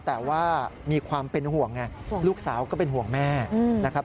แต่ว่ามีความเป็นห่วงไงลูกสาวก็เป็นห่วงแม่นะครับ